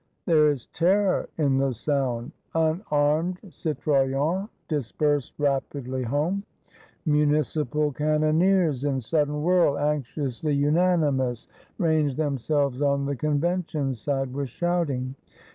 There is terror in the sound. Unarmed Cito yens disperse rapidly home. Municipal Cannoneers, in 340 THE FALL OF ROBESPIERRE sudden whirl, anxiously unanimous, range themselves on the Convention side, with shouting.